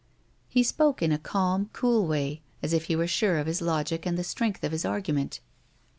He spoke in a calm, cool way as if he were sure of his logic and the strength of his argument.